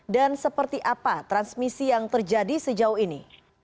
dan seperti apa transmisi yang terjadi sejauh ini